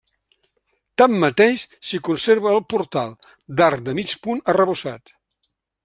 Tanmateix, s'hi conserva el portal, d'arc de mig punt arrebossat.